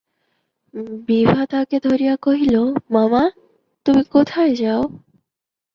বিভা তাঁহাকে ধরিয়া কহিল, মামা, তুমি কোথায় যাও।